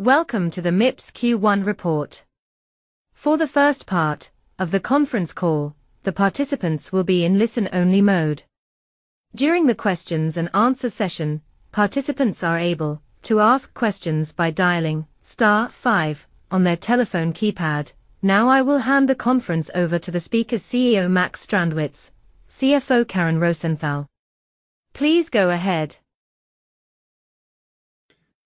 Welcome to the Mips Q1 report. For the first part of the conference call, the participants will be in listen-only mode. During the questions and answer session, participants are able to ask questions by dialing star five on their telephone keypad. I will hand the conference over to the speaker, CEO Max Strandwitz, CFO Karin Rosenthal. Please go ahead.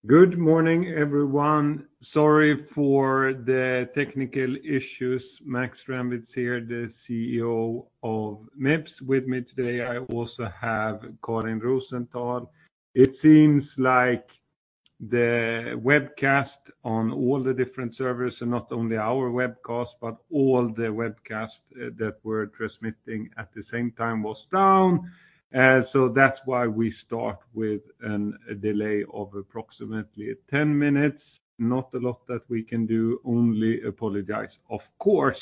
Good morning, everyone. Sorry for the technical issues. Max Strandwitz here, the CEO of Mips. With me today, I also have Karin Rosenthal. It seems like the webcast on all the different servers and not only our webcast, but all the webcast that we're transmitting at the same time was down. That's why we start with a delay of approximately 10 minutes. Not a lot that we can do, only apologize. Of course,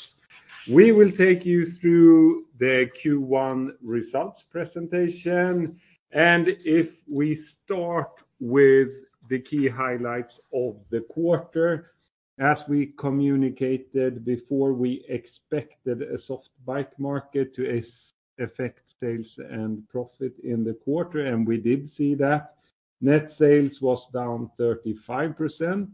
we will take you through the Q1 results presentation. If we start with the key highlights of the quarter. As we communicated before, we expected a soft bike market to affect sales and profit in the quarter. We did see that. Net sales was down 35%.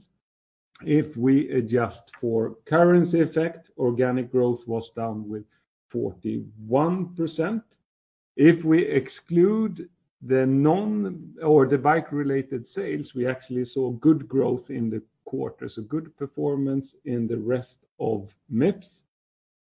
If we adjust for currency effect, organic growth was down with 41%. If we exclude the non or the bike-related sales, we actually saw good growth in the quarter, good performance in the rest of Mips.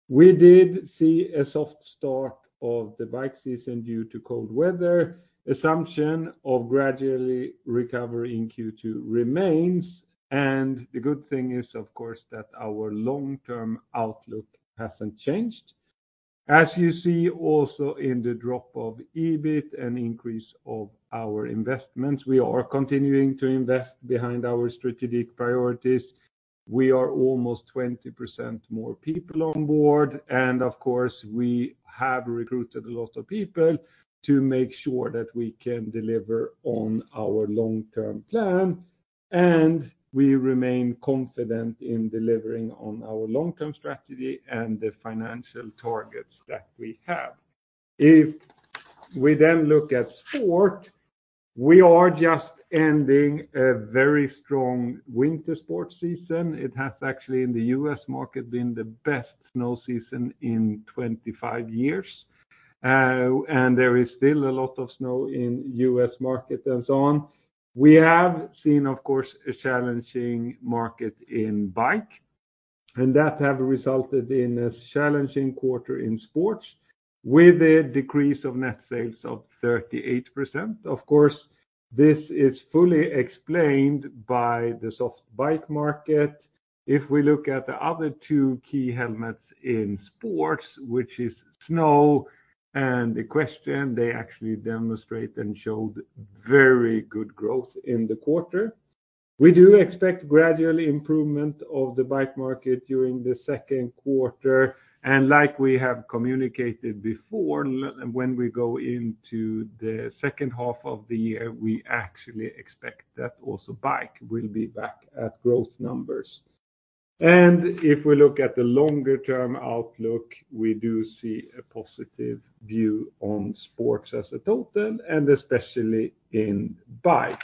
We did see a soft start of the bike season due to cold weather. Assumption of gradually recovery in Q2 remains, the good thing is, of course, that our long-term outlook hasn't changed. As you see also in the drop of EBIT and increase of our investments, we are continuing to invest behind our strategic priorities. We are almost 20% more people on board, of course, we have recruited a lot of people to make sure that we can deliver on our long-term plan, we remain confident in delivering on our long-term strategy and the financial targets that we have. If we look at sport, we are just ending a very strong winter sports season. It has actually in the U.S. market been the best snow season in 25 years. There is still a lot of snow in U.S. market and so on. We have seen, of course, a challenging market in bike, and that have resulted in a challenging quarter in sports with a decrease of net sales of 38%. Of course, this is fully explained by the soft bike market. If we look at the other two key helmets in sports, which is snow and equestrian, they actually demonstrate and showed very good growth in the quarter. We do expect gradual improvement of the bike market during the Q2. Like we have communicated before, when we go into the second half of the year, we actually expect that also bike will be back at growth numbers. If we look at the longer-term outlook, we do see a positive view on sports as a total and especially in bike.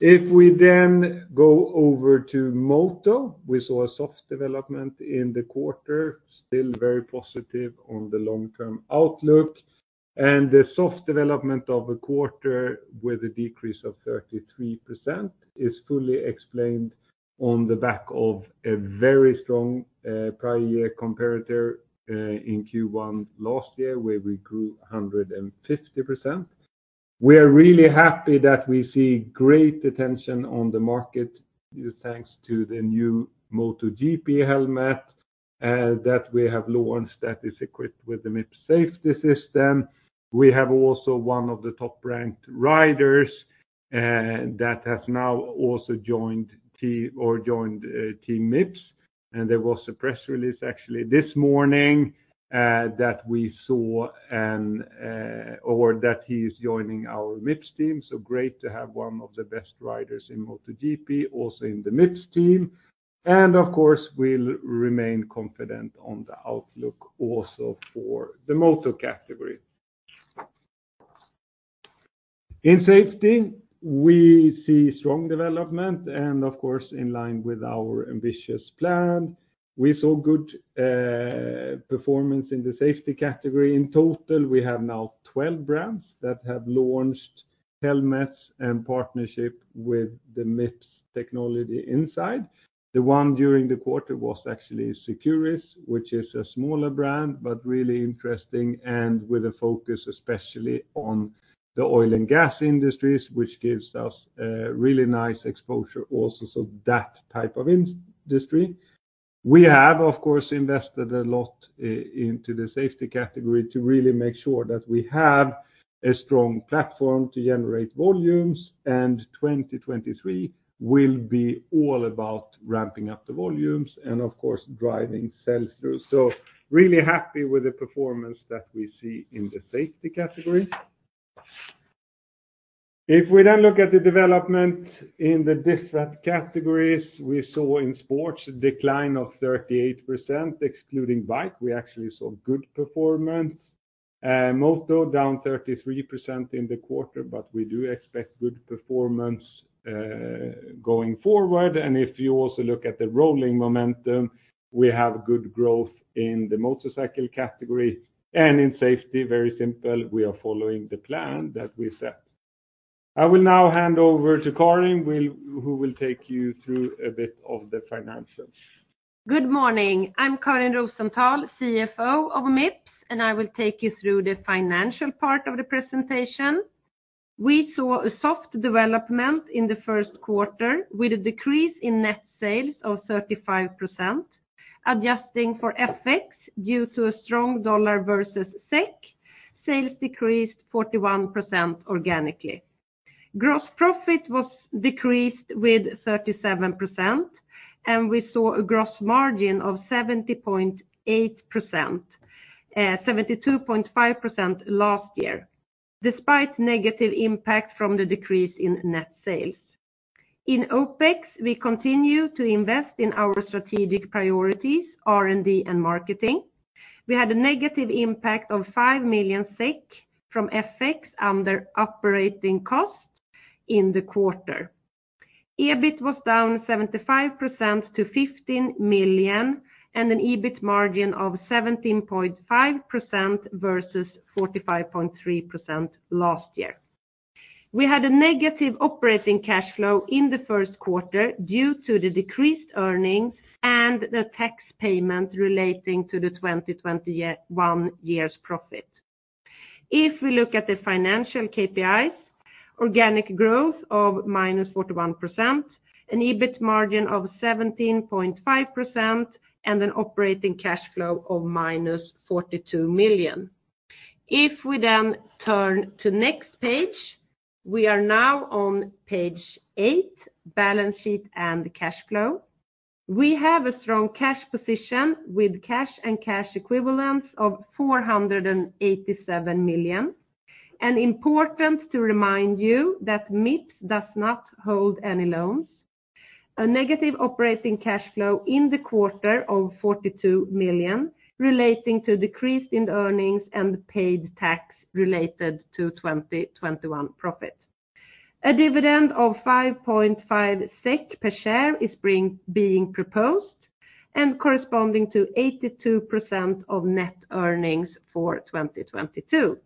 We then go over to moto, we saw a soft development in the quarter, still very positive on the long-term outlook. The soft development of the quarter with a decrease of 33% is fully explained on the back of a very strong prior year comparator in Q1 last year, where we grew 150%. We are really happy that we see great attention on the market, thanks to the new MotoGP helmet that we have launched, that is equipped with the Mips safety system. We have also one of the top-ranked riders that has now also or joined team Mips. There was a press release actually this morning that we saw or that he is joining our Mips team. Great to have one of the best riders in MotoGP also in the Mips team. Of course, we'll remain confident on the outlook also for the moto category. In safety, we see strong development and of course, in line with our ambitious plan. We saw good performance in the safety category. In total, we have now 12 brands that have launched helmets and partnership with the Mips technology inside. The one during the quarter was actually Securis, which is a smaller brand, but really interesting and with a focus especially on the oil and gas industries, which gives us a really nice exposure also, so that type of industry. We have, of course, invested a lot into the safety category to really make sure that we have a strong platform to generate volumes. 2023 will be all about ramping up the volumes and of course, driving sell-through. Really happy with the performance that we see in the safety category. If we look at the development in the different categories, we saw in sports a decline of 38% excluding bike. We actually saw good performance. Moto down 33% in the quarter. We do expect good performance going forward. If you also look at the rolling momentum, we have good growth in the motorcycle category and in safety. Very simple, we are following the plan that we set. I will now hand over to Karin, who will take you through a bit of the financials. Good morning. I'm Karin Rosenthal, CFO of Mips. I will take you through the financial part of the presentation. We saw a soft development in the Q1 with a decrease in net sales of 35%. Adjusting for FX due to a strong dollar versus SEK, sales decreased 41% organically. Gross profit was decreased with 37%. We saw a gross margin of 70.8%, 72.5% last year, despite negative impact from the decrease in net sales. In OPEX, we continue to invest in our strategic priorities, R&D and marketing. We had a negative impact of 5 million SEK from FX under operating costs in the quarter. EBIT was down 75% to 15 million and an EBIT margin of 17.5% versus 45.3% last year. We had a negative operating cash flow in the Q1 due to the decreased earnings and the tax payment relating to the 2021 year's profit. We look at the financial KPIs, organic growth of -41%, an EBIT margin of 17.5%, and an operating cash flow of -42 million. We turn to next page, we are now on page eight, balance sheet and cash flow. We have a strong cash position with cash and cash equivalents of 487 million. Important to remind you that Mips does not hold any loans. A negative operating cash flow in the quarter of 42 million relating to decrease in earnings and paid tax related to 2021 profit. A dividend of 5.5 SEK per share is being proposed and corresponding to 82% of net earnings for 2022.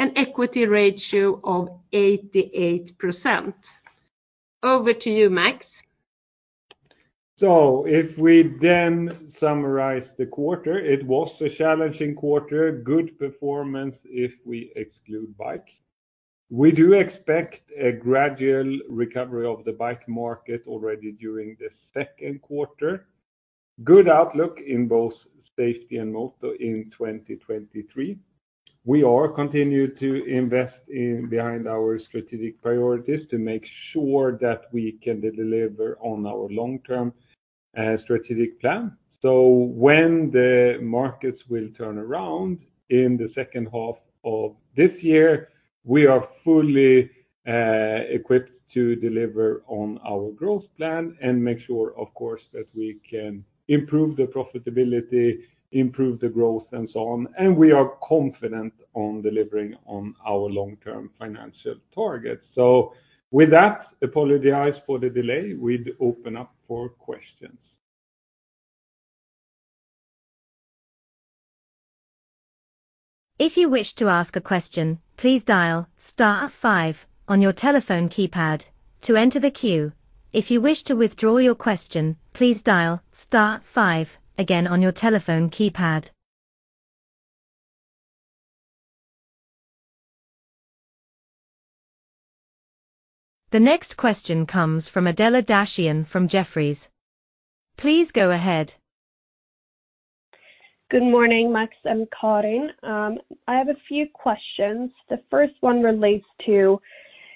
An equity ratio of 88%. Over to you, Max. If we summarize the quarter, it was a challenging quarter. Good performance if we exclude bike. We do expect a gradual recovery of the bike market already during the Q2. Good outlook in both safety and Moto in 2023. We are continuing to invest in behind our strategic priorities to make sure that we can deliver on our long-term strategic plan. When the markets will turn around in the second half of this year, we are fully equipped to deliver on our growth plan and make sure, of course, that we can improve the profitability, improve the growth and so on. We are confident on delivering on our long-term financial targets. With that, apologize for the delay. We open up for questions. If you wish to ask a question, please dial star five on your telephone keypad to enter the queue. If you wish to withdraw your question, please dial star five again on your telephone keypad. The next question comes from Adela Dashian from Jefferies. Please go ahead. Good morning, Max and Karin. I have a few questions. The first one relates to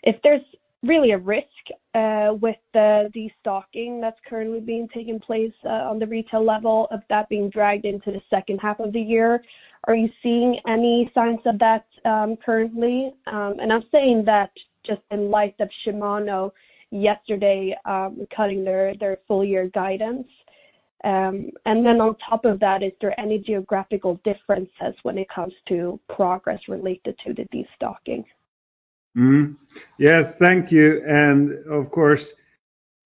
if there's really a risk with the destocking that's currently being taken place on the retail level of that being dragged into the second half of the year. Are you seeing any signs of that currently? I'm saying that just in light of Shimano yesterday, cutting their full year guidance. On top of that, is there any geographical differences when it comes to progress related to the destocking? Yes. Thank you. Of course,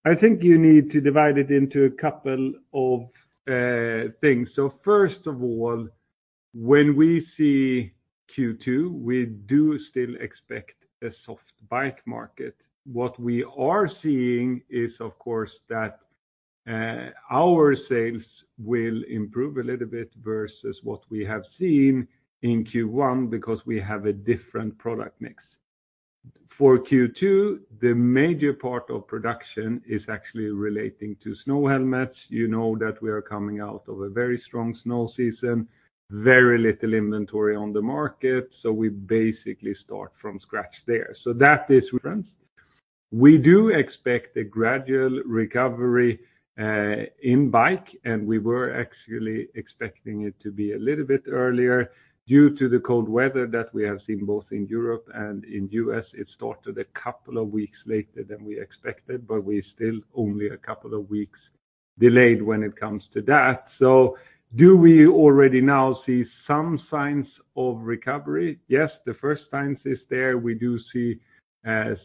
I think you need to divide it into a couple of things. First of all, when we see Q2, we do still expect a soft bike market. What we are seeing is, of course, that our sales will improve a little bit versus what we have seen in Q1 because we have a different product mix. For Q2, the major part of production is actually relating to snow helmets. You know that we are coming out of a very strong snow season, very little inventory on the market. We basically start from scratch there. That is different. We do expect a gradual recovery in bike, and we were actually expecting it to be a little bit earlier due to the cold weather that we have seen both in Europe and in U.S. It started a couple of weeks later than we expected, but we're still only a couple of weeks delayed when it comes to that. Do we already now see some signs of recovery? Yes. The first signs is there. We do see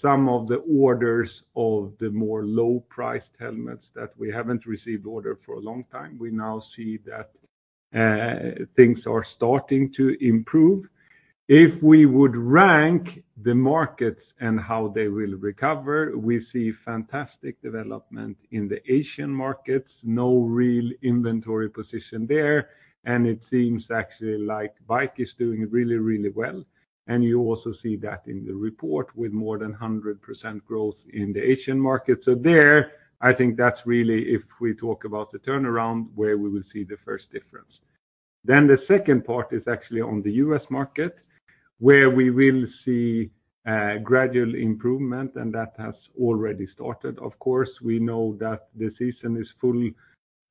some of the orders of the more low-priced helmets that we haven't received order for a long time. We now see that things are starting to improve. If we would rank the markets and how they will recover, we see fantastic development in the Asian markets. No real inventory position there, and it seems actually like bike is doing really, really well. You also see that in the report with more than 100% growth in the Asian market. There, I think that's really if we talk about the turnaround, where we will see the first difference. The second part is actually on the U.S. market, where we will see a gradual improvement, and that has already started. Of course, we know that the season is fully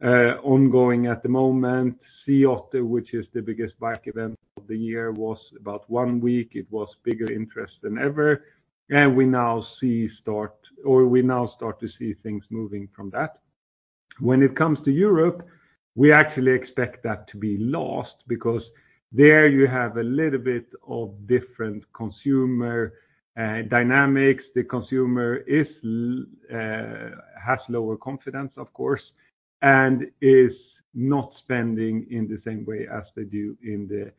ongoing at the moment. Sea Otter, which is the biggest bike event of the year, was about one week. It was bigger interest than ever. We now start to see things moving from that. When it comes to Europe, we actually expect that to be last because there you have a little bit of different consumer dynamics. The consumer has lower confidence, of course, and is not spending in the same way as they do in the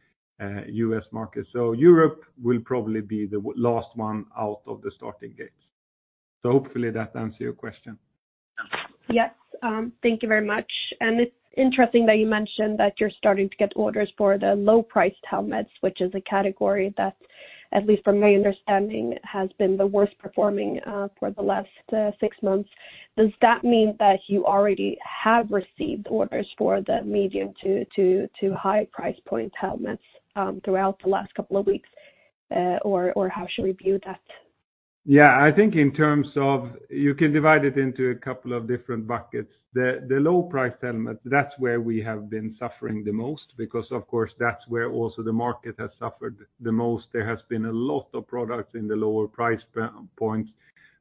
U.S. market. Europe will probably be the last one out of the starting gates. Hopefully that answers your question. Yes. Thank you very much. It's interesting that you mentioned that you're starting to get orders for the low-priced helmets, which is a category that, at least from my understanding, has been the worst performing for the last six months. Does that mean that you already have received orders for the medium to high price point helmets throughout the last couple of weeks? How should we view that? I think in terms of you can divide it into a couple of different buckets. The low price helmet, that's where we have been suffering the most because, of course, that's where also the market has suffered the most. There has been a lot of products in the lower price points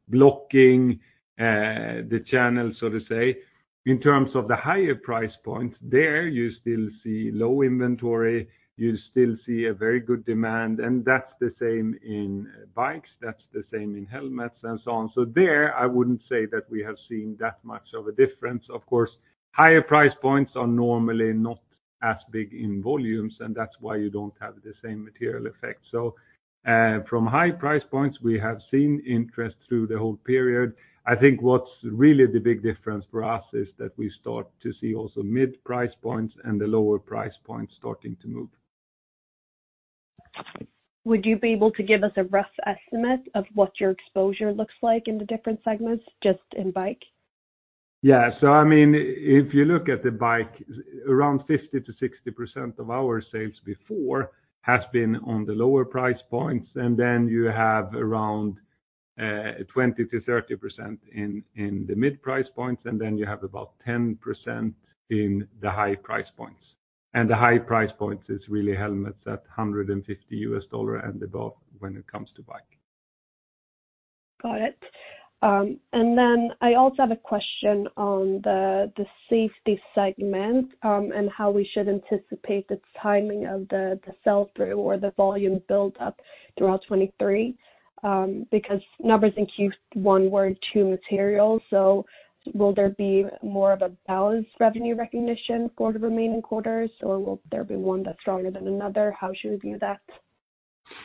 blocking the channel, so to say. In terms of the higher price points, there you still see low inventory, you still see a very good demand, and that's the same in bikes, that's the same in helmets and so on. There, I wouldn't say that we have seen that much of a difference. Of course, higher price points are normally not as big in volumes, and that's why you don't have the same material effect. From high price points, we have seen interest through the whole period. I think what's really the big difference for us is that we start to see also mid-price points and the lower price points starting to move. Would you be able to give us a rough estimate of what your exposure looks like in the different segments just in bike? I mean, if you look at the bike, around 50%-60% of our sales before has been on the lower price points. You have around 20%-30% in the mid-price points, and then you have about 10% in the high price points. The high price points is really helmets at $150 and above when it comes to bike. Got it. I also have a question on the safety segment and how we should anticipate the timing of the sell-through or the volume build-up throughout 2023, because numbers in Q1 were too material. Will there be more of a balanced revenue recognition for the remaining quarters, or will there be one that's stronger than another? How should we view that?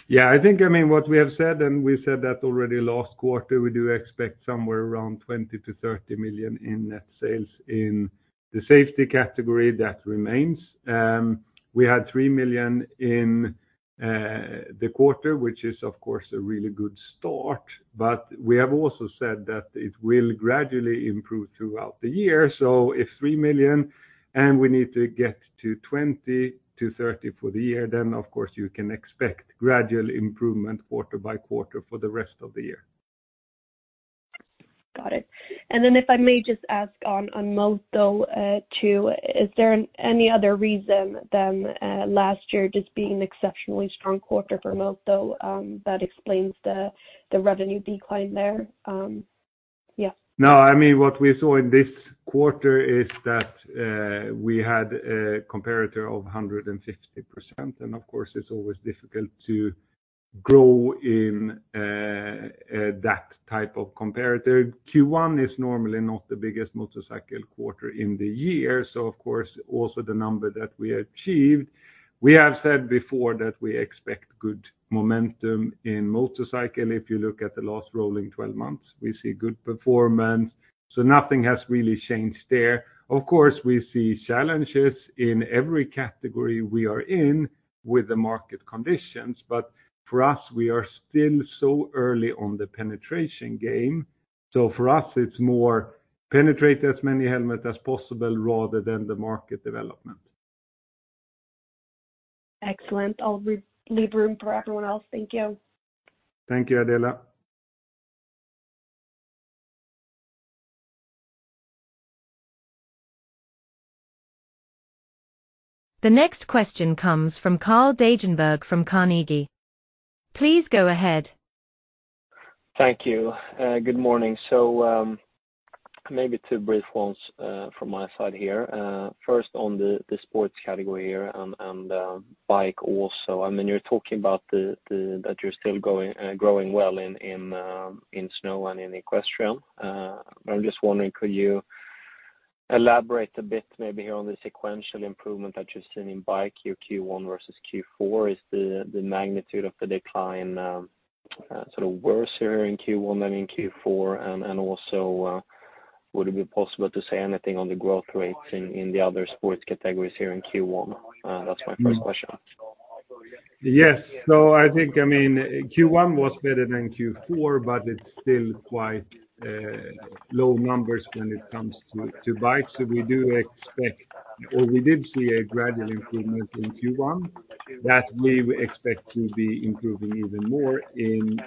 Yeah, I think, I mean, what we have said, and we said that already last quarter, we do expect somewhere around 20 million-30 million in net sales in the safety category. That remains. We had 3 million in the quarter, which is, of course, a really good start. We have also said that it will gradually improve throughout the year. If 3 million and we need to get to 20 million-30 million for the year, then of course you can expect gradual improvement quarter by quarter for the rest of the year. Got it. If I may just ask on Moto, too, is there any other reason than last year just being exceptionally strong quarter for Moto, that explains the revenue decline there? Yes. No. I mean, what we saw in this quarter is that we had a comparator of 160%. Of course, it's always difficult to grow in that type of comparator. Q1 is normally not the biggest motorcycle quarter in the year. Of course, also the number that we achieved. We have said before that we expect good momentum in motorcycle. If you look at the last rolling 12 months, we see good performance. Nothing has really changed there. Of course, we see challenges in every category we are in with the market conditions, for us, we are still so early on the penetration game. For us, it's more penetrate as many helmets as possible rather than the market development. Excellent. I'll re-leave room for everyone else. Thank you. Thank you, Adela. The next question comes from Carl Deijenberg from Carnegie. Please go ahead. Thank you. Good morning. Maybe two brief ones from my side here. First on the sports category here and bike also. I mean, you're talking about that you're still growing well in snow and in equestrian. I'm just wondering, could you elaborate a bit maybe on the sequential improvement that you're seeing in bike Q1 versus Q4? Is the magnitude of the decline sort of worse here in Q1 than in Q4? Also, would it be possible to say anything on the growth rates in the other sports categories here in Q1? That's my first question. Yes. I think, I mean, Q1 was better than Q4, but it's still quite low numbers when it comes to bikes. We do expect or we did see a gradual improvement in Q1 that we expect to be improving even more in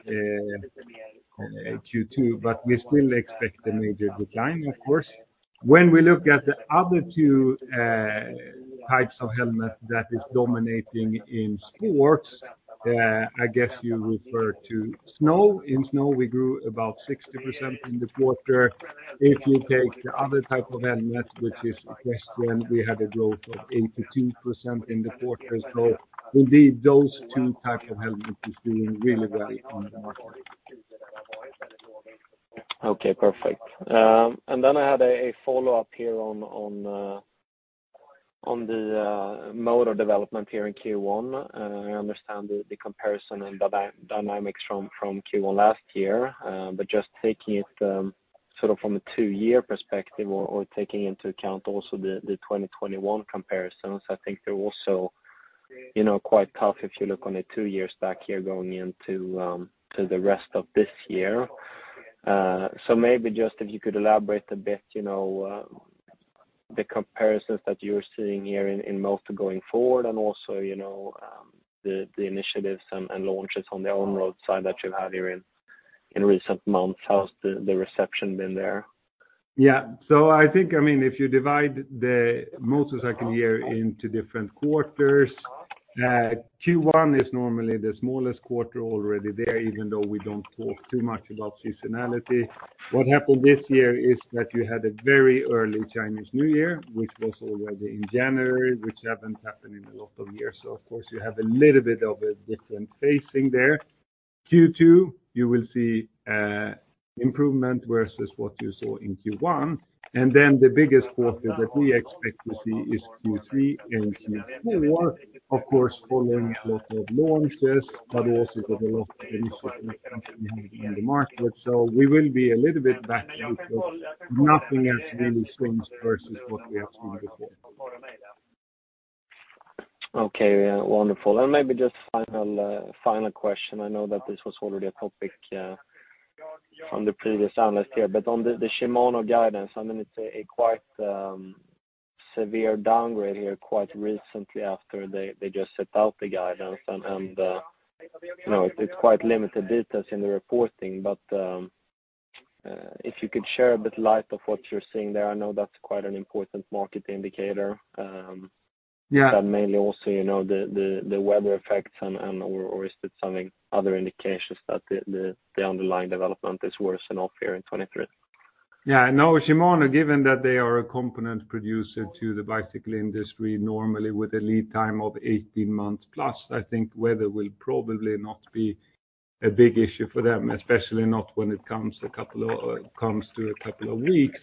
Q2. We still expect a major decline of course. When we look at the other two types of helmet that is dominating in sports, I guess you refer to snow. In snow, we grew about 60% in the quarter. If you take the other type of helmet, which is equestrian, we had a growth of 82% in the quarter. Indeed, those two types of helmet is doing really well in the market. Okay, perfect. I had a follow-up here on the motor development here in Q1. I understand the comparison and dyna-dynamics from Q1 last year. Just taking it sort of from a two-year perspective or taking into account also the 2021 comparisons, I think they're also, you know, quite tough if you look on a two years back here going into to the rest of this year. Maybe just if you could elaborate a bit, you know, the comparisons that you're seeing here in motor going forward and also, you know, the initiatives and launches on their own road side that you've had here in recent months. How's the reception been there? Yeah. I think, I mean, if you divide the motorcycle year into different quarters, Q1 is normally the smallest quarter already there, even though we don't talk too much about seasonality. What happened this year is that you had a very early Chinese New Year, which was already in January, which haven't happened in a lot of years. Of course, you have a little bit of a different phasing there. Q2, you will see improvement versus what you saw in Q1. Then the biggest quarter that we expect to see is Q3 and Q4, of course, following a lot of launches, but also with a lot of research that comes behind on the market. We will be a little bit backed because nothing has really changed versus what we have seen before. Okay. Yeah. Wonderful. Maybe just final question. I know that this was already a topic from the previous analyst here. On the Shimano guidance, I mean, it's a quite severe downgrade here quite recently after they just set out the guidance and, you know, it's quite limited details in the reporting. If you could share a bit light of what you're seeing there. I know that's quite an important market indicator. Yeah. mainly also, you know, the weather effects or is it something other indications that the underlying development is worse than off here in 2023? Yeah. No, Shimano, given that they are a component producer to the bicycle industry, normally with a lead time of 18 months plus, I think weather will probably not be a big issue for them, especially not when it comes to a couple of weeks.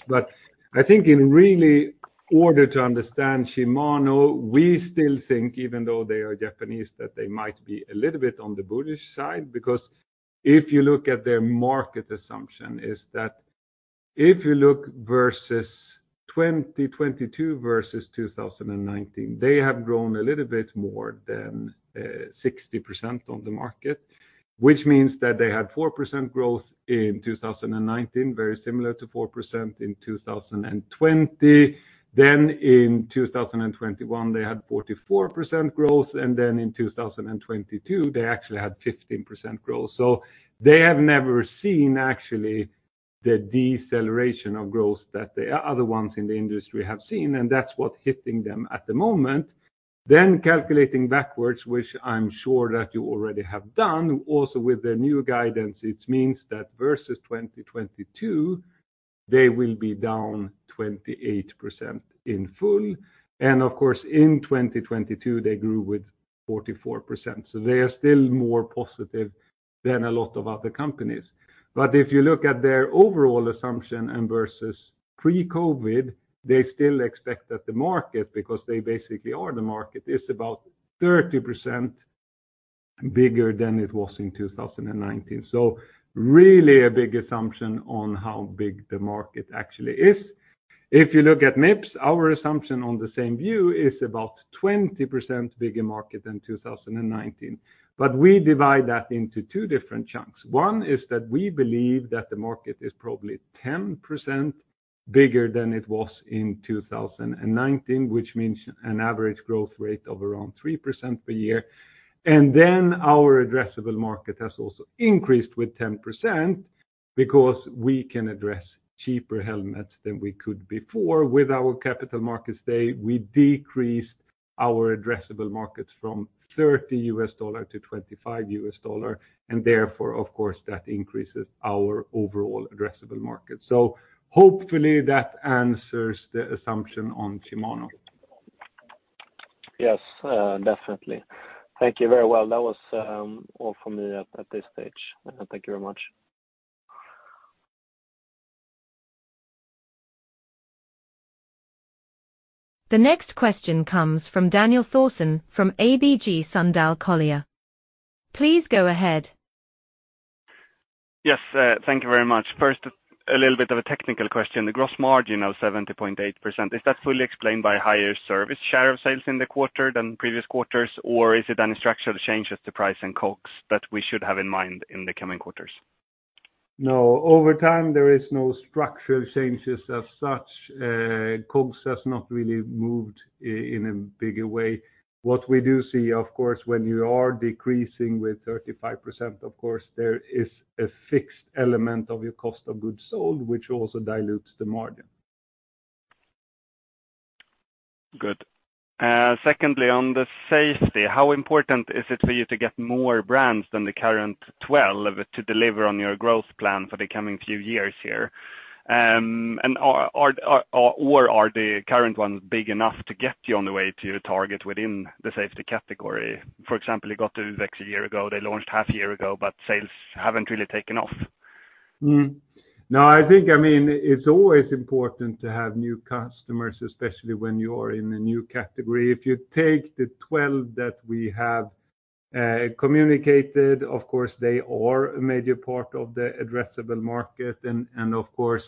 I think in really order to understand Shimano, we still think even though they are Japanese, that they might be a little bit on the bearish side. If you look at their market assumption is that if you look versus 2022 versus 2019, they have grown a little bit more than 60% on the market, which means that they had 4% growth in 2019, very similar to 4% in 2020. In 2021, they had 44% growth, in 2022, they actually had 15% growth. They have never seen actually the deceleration of growth that the other ones in the industry have seen, and that's what's hitting them at the moment. Calculating backwards, which I'm sure that you already have done, also with the new guidance, it means that versus 2022, they will be down 28% in full. Of course, in 2022, they grew with 44%. They are still more positive than a lot of other companies. If you look at their overall assumption and versus pre-COVID, they still expect that the market, because they basically are the market, is about 30% bigger than it was in 2019. Really a big assumption on how big the market actually is. If you look at Mips, our assumption on the same view is about 20% bigger market than 2019. We divide that into two different chunks. One is that we believe that the market is probably 10% bigger than it was in 2019, which means an average growth rate of around 3% per year. Our addressable market has also increased with 10% because we can address cheaper helmets than we could before. With our capital markets day, we decreased our addressable markets from $30 to $25, of course, that increases our overall addressable market. Hopefully that answers the assumption on Shimano. Yes, definitely. Thank you very well. That was all for me at this stage. Thank you very much. The next question comes from Daniel Thorsson from ABG Sundal Collier. Please go ahead. Yes, thank you very much. First, a little bit of a technical question. The gross margin of 70.8%, is that fully explained by higher service share of sales in the quarter than previous quarters? Is it any structural changes to price and COGS that we should have in mind in the coming quarters? No. Over time, there is no structural changes as such. COGS has not really moved in a bigger way. What we do see, of course, when you are decreasing with 35%, of course, there is a fixed element of your cost of goods sold, which also dilutes the margin. Good. Secondly, on the safety, how important is it for you to get more brands than the current 12 to deliver on your growth plan for the coming few years here? Are the current ones big enough to get you on the way to your target within the safety category? For example, you got to uvex a year ago. They launched half a year ago, but sales haven't really taken off. No, I think, I mean, it's always important to have new customers, especially when you are in a new category. If you take the 12 that we have communicated, of course, they are a major part of the addressable market and of course,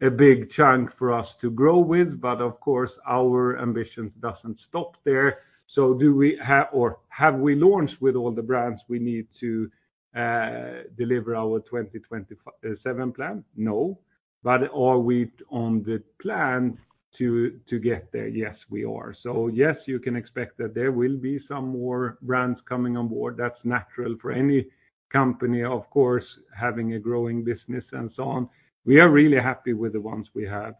a big chunk for us to grow with. Of course, our ambitions doesn't stop there. Do we have or have we launched with all the brands we need to deliver our 2025, seven plan? No. Are we on the plan to get there? Yes, we are. Yes, you can expect that there will be some more brands coming on board. That's natural for any company, of course, having a growing business and so on. We are really happy with the ones we have,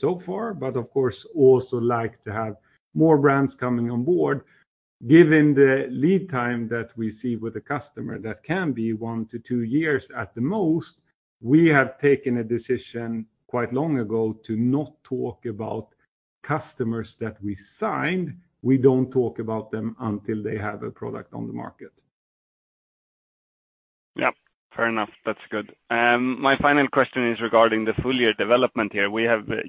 so far, but of course, also like to have more brands coming on board. Given the lead time that we see with the customer, that can be one to two years at the most. We have taken a decision quite long ago to not talk about customers that we signed. We don't talk about them until they have a product on the market. Yep, fair enough. That's good. My final question is regarding the full year development here.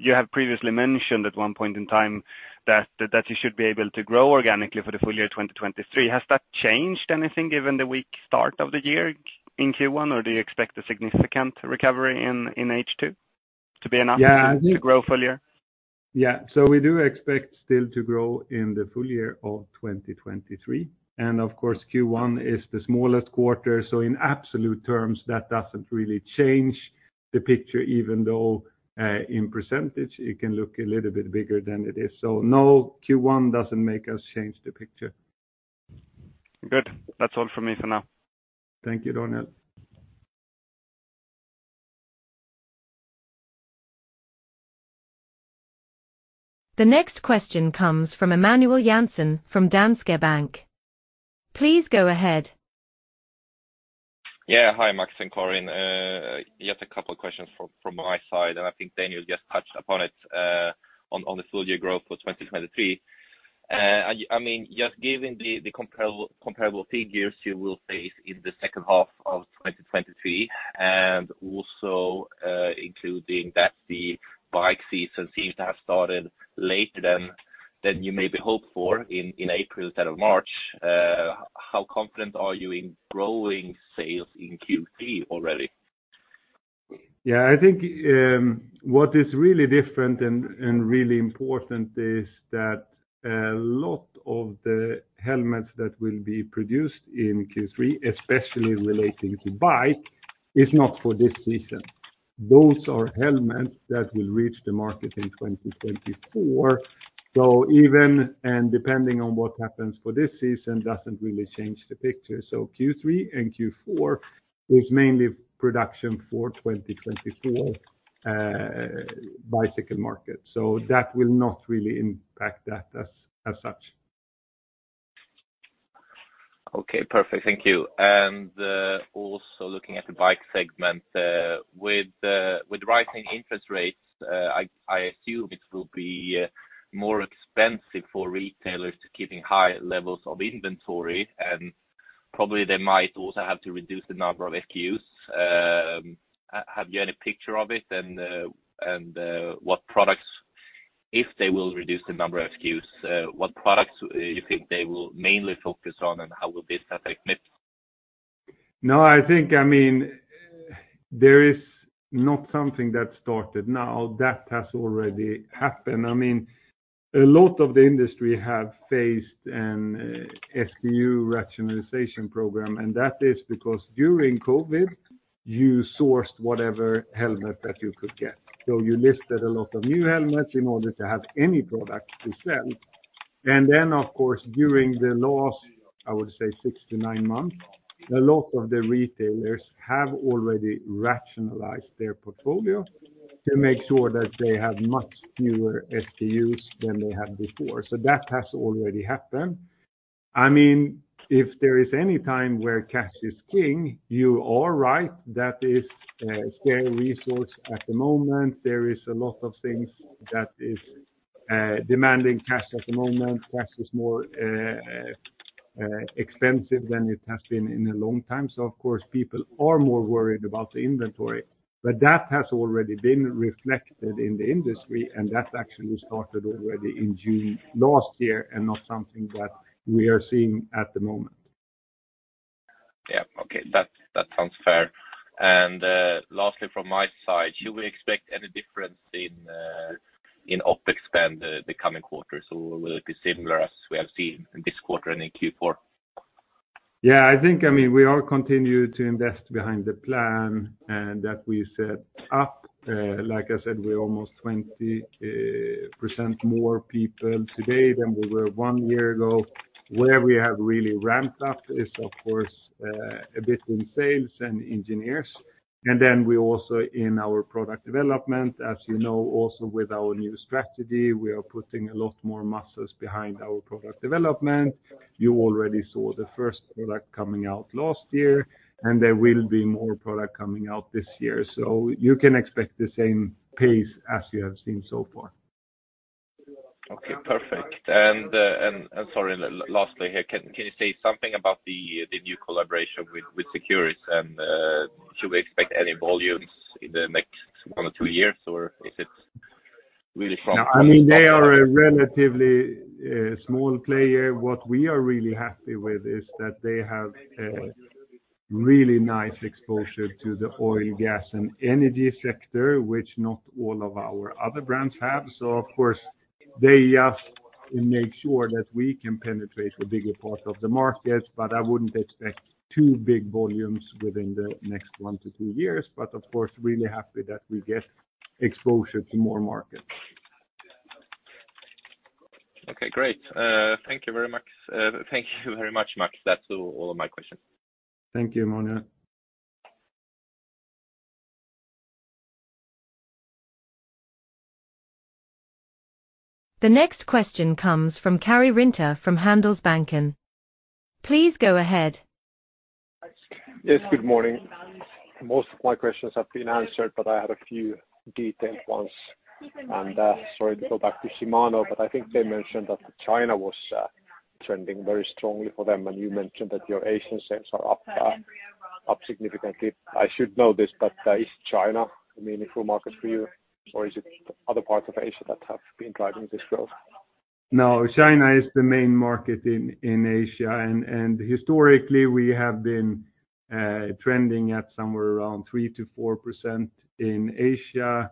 You have previously mentioned at one point in time that you should be able to grow organically for the full year 2023. Has that changed anything given the weak start of the year in Q1, or do you expect a significant recovery in H2 to be enough- Yeah. to grow full year? Yeah. We do expect still to grow in the full year of 2023. Of course, Q1 is the smallest quarter. In absolute terms, that doesn't really change the picture, even though in percentage, it can look a little bit bigger than it is. No, Q1 doesn't make us change the picture. Good. That's all for me for now. Thank you, Daniel. The next question comes from Emanuel Jansson from Danske Bank. Please go ahead. Yeah. Hi, Max and Corin. Just a couple of questions from my side. I think Daniel Thorsson just touched upon it on the full year growth for 2023. I mean, just given the comparable figures you will face in the second half of 2023, also including that the bike season seems to have started later than you maybe hoped for in April instead of March, how confident are you in growing sales in Q3 already? I think, what is really different and really important is that a lot of the helmets that will be produced in Q3, especially relating to bike, is not for this season. Those are helmets that will reach the market in 2024. Even and depending on what happens for this season doesn't really change the picture. Q3 and Q4 is mainly production for 2024, bicycle market. That will not really impact that as such. Okay, perfect. Thank you. Also looking at the bike segment, with rising interest rates, I assume it will be more expensive for retailers to keeping high levels of inventory, and probably they might also have to reduce the number of SKUs. Have you any picture of it? If they will reduce the number of SKUs, what products you think they will mainly focus on, and how will this affect Mips? No, I think, I mean, there is not something that started now. That has already happened. I mean, a lot of the industry have faced an SKU rationalization program, and that is because during COVID, you sourced whatever helmet that you could get. You listed a lot of new helmets in order to have any product to sell. Then, of course, during the last, I would say six to nine months, a lot of the retailers have already rationalized their portfolio to make sure that they have much fewer SKUs than they had before. That has already happened. I mean, if there is any time where cash is king, you are right. That is a scary resource at the moment. There is a lot of things that is demanding cash at the moment. Cash is more expensive than it has been in a long time. Of course, people are more worried about the inventory, but that has already been reflected in the industry, and that actually started already in June last year and not something that we are seeing at the moment. Yeah. Okay. That, that sounds fair. Lastly, from my side, should we expect any difference in OPEX spend the coming quarters, or will it be similar as we have seen in this quarter and in Q4? Yeah, I think, I mean, we are continuing to invest behind the plan and that we set up. Like I said, we're almost 20% more people today than we were one year ago. Where we have really ramped up is of course, a bit in sales and engineers. We also in our product development, as you know, also with our new strategy, we are putting a lot more muscles behind our product development. You already saw the first product coming out last year, and there will be more product coming out this year. You can expect the same pace as you have seen so far. Okay, perfect. Sorry, lastly here, can you say something about the new collaboration with Securis? Should we expect any volumes in the next one or two years, or is it really strong? I mean, they are a relatively small player. What we are really happy with is that they have a really nice exposure to the oil, gas, and energy sector, which not all of our other brands have. Of course, they have to make sure that we can penetrate a bigger part of the market, but I wouldn't expect too big volumes within the next one to two years. Of course, really happy that we get exposure to more markets. Okay, great. Thank you very much. Thank you very much, Max. That's all of my questions. Thank you, Emanuel. The next question comes from Karri Rinta from Handelsbanken. Please go ahead. Yes, good morning. Most of my questions have been answered, but I have a few detailed ones. Sorry to go back to Shimano, but I think they mentioned that China was trending very strongly for them, and you mentioned that your Asian sales are up significantly. I should know this, but is China a meaningful market for you, or is it other parts of Asia that have been driving this growth? No, China is the main market in Asia. Historically, we have been trending at somewhere around 3%-4% in Asia.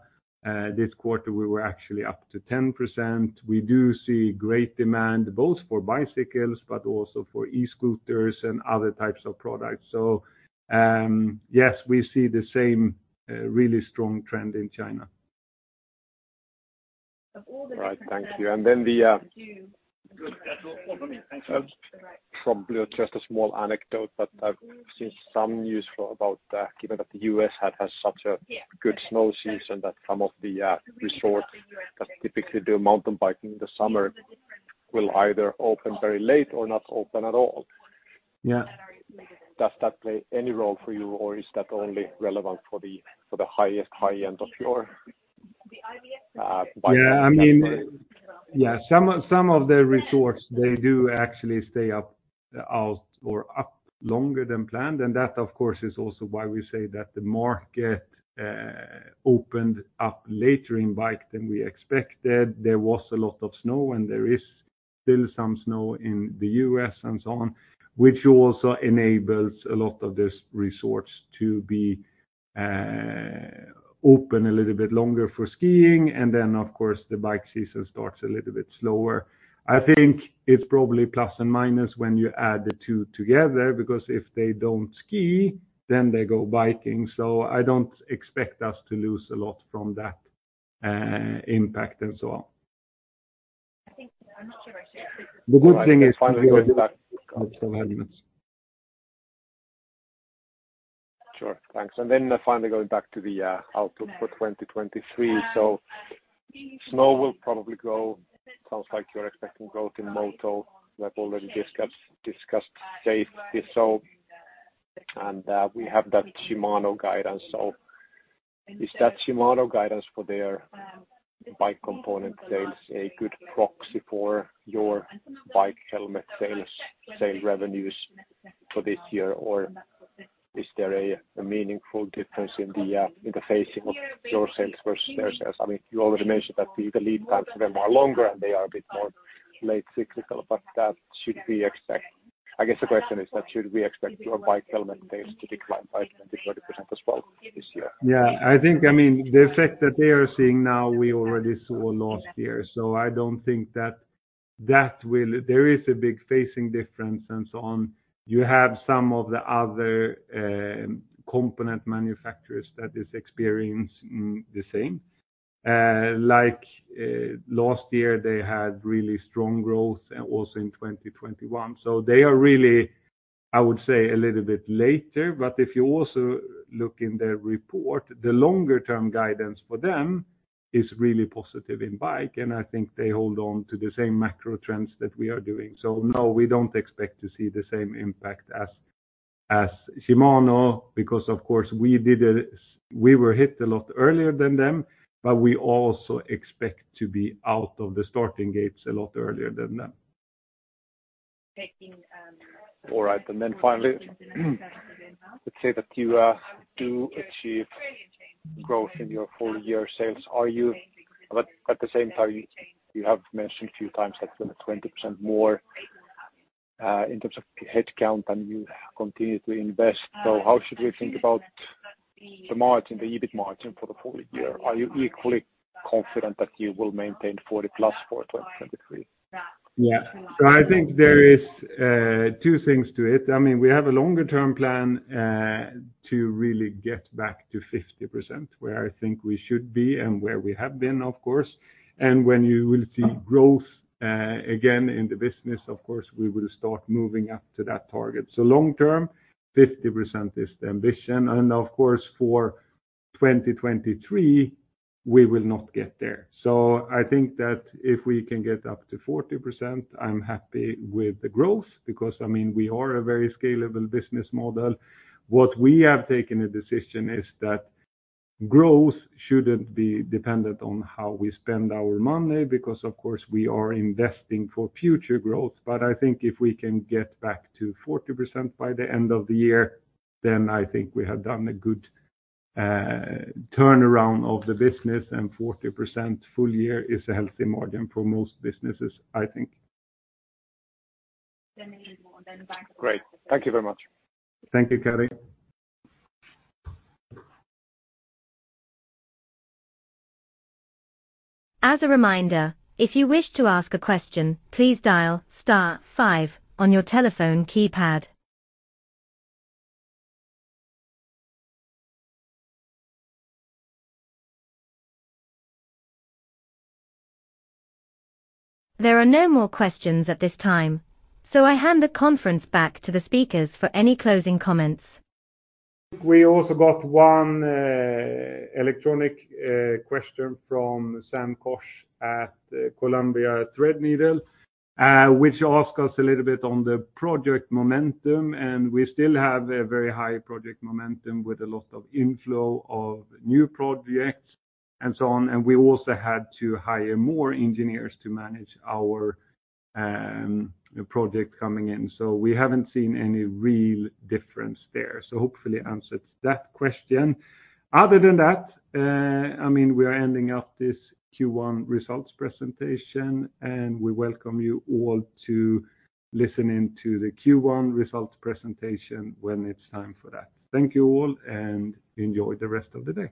This quarter, we were actually up to 10%. We do see great demand both for bicycles, but also for e-scooters and other types of products. Yes, we see the same really strong trend in China. All right. Thank you. Then the... Good. That's all for me. Thanks so much. Probably just a small anecdote, but I've seen some news about, given that the U.S. has such a good snow season, that some of the resorts that typically do mountain biking in the summer will either open very late or not open at all. Yeah. Does that play any role for you, or is that only relevant for the, for the highest high-end of your bike category? I mean, some of the resorts, they do actually stay up longer than planned. That, of course, is also why we say that the market opened up later in bike than we expected. There was a lot of snow, there is still some snow in the US and so on, which also enables a lot of these resorts to be open a little bit longer for skiing. Then, of course, the bike season starts a little bit slower. I think it's probably plus and minus when you add the two together, because if they don't ski, then they go biking. I don't expect us to lose a lot from that impact and so on. The good thing is Sure. Thanks. Finally going back to the outlook for 2023. Snow will probably grow. Sounds like you're expecting growth in Moto. We have already discussed safe this so. We have that Shimano guidance. Is that Shimano guidance for their bike component sales a good proxy for your bike helmet sales, sale revenues for this year? Is there a meaningful difference in the phasing of your sales versus their sales? I mean, you already mentioned that the lead times for them are longer and they are a bit more late cyclical, but that should be expected. I guess the question is that should we expect your bike helmet base to decline by 20%-30% as well this year? Yeah, I think, I mean, the effect that they are seeing now, we already saw last year. I don't think that that will. There is a big facing difference and so on. You have some of the other component manufacturers that is experiencing the same. Like last year, they had really strong growth, also in 2021. They are really, I would say, a little bit later. If you also look in their report, the longer term guidance for them is really positive in bike, and I think they hold on to the same macro trends that we are doing. No, we don't expect to see the same impact as Shimano because, of course, we were hit a lot earlier than them, but we also expect to be out of the starting gates a lot earlier than them. All right. Finally, let's say that you do achieve growth in your full year sales. At the same time, you have mentioned a few times that there were 20% more in terms of headcount, and you continue to invest. How should we think about the margin, the EBIT margin for the full year? Are you equally confident that you will maintain 40+ for 2023? Yeah. I think there is two things to it. I mean, we have a longer term plan to really get back to 50%, where I think we should be and where we have been, of course. When you will see growth again in the business, of course, we will start moving up to that target. Long term, 50% is the ambition. Of course, for 2023, we will not get there. I think that if we can get up to 40%, I'm happy with the growth because, I mean, we are a very scalable business model. What we have taken a decision is that growth shouldn't be dependent on how we spend our money because, of course, we are investing for future growth. I think if we can get back to 40% by the end of the year, then I think we have done a good turnaround of the business, and 40% full year is a healthy margin for most businesses, I think. Great. Thank you very much. Thank you, Karri. As a reminder, if you wish to ask a question, please dial star 5 on your telephone keypad. There are no more questions at this time. I hand the conference back to the speakers for any closing comments. We also got one electronic question from Sam Cosh at Columbia Threadneedle, which ask us a little bit on the project momentum, we still have a very high project momentum with a lot of inflow of new projects and so on. We also had to hire more engineers to manage our project coming in. We haven't seen any real difference there. Hopefully answers that question. Other than that, I mean, we are ending up this Q1 results presentation, we welcome you all to listening to the Q1 results presentation when it's time for that. Thank you all, enjoy the rest of the day.